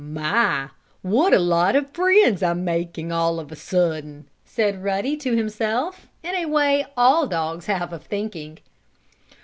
"My! What a lot of friends I'm making all of a sudden!" said Ruddy to himself, in a way all dogs have of thinking.